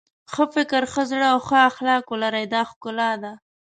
ښه فکر ښه زړه او ښه اخلاق ولرئ دا ښکلا ده.